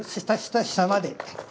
下まで。